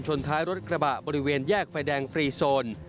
ท้ายรถกระบะบริเวณแยกไฟแดงฟรีโซน